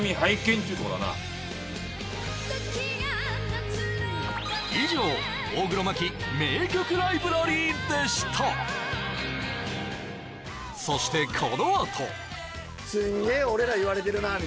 っちゅうとこだな以上大黒摩季名曲ライブラリーでしたそしてこのあとえっ！